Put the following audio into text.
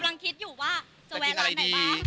กำลังคิดอยู่ว่าจะแวะร้านไหนบ้าง